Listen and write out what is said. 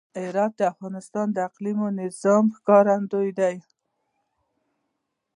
هرات د افغانستان د اقلیمي نظام ښکارندوی ده.